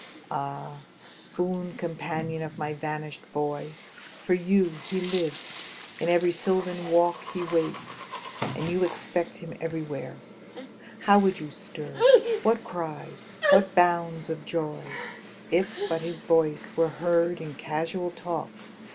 Ah, boon companion of my vanished boy. For you he lives; in every sylvan walk He waits; and you expect him everywhere. How would you stir, what cries, what bounds of joy. If but his voice were heard in casual talk.